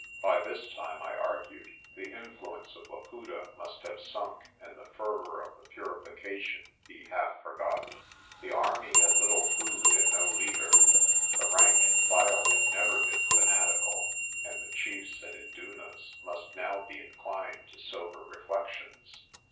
By this time, I argued, the influence of Laputa must have sunk and the fervour of the purification be half forgotten. The army had little food and no leader. The rank and file had never been fanatical and the chiefs and indunas must now be inclined to sober reflections.